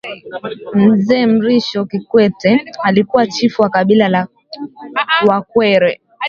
mzee mrisho kikwete alikuwa chifu wa kabila la wakwere